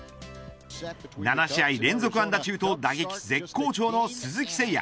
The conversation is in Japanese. ７試合連続安打中と打撃絶好調の鈴木誠也。